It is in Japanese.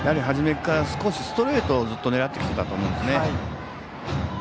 初めからストレートをずっと狙ってきていたと思うんですね。